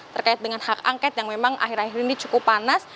terkait dengan hak angket yang memang akhir akhir ini cukup panas